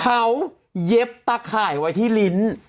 เขาเย็บตะข่ายไว้ที่ลิ้น